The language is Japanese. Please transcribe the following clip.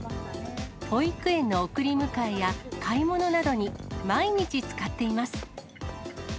保育園の送り迎えや、買い物などに毎日使っています。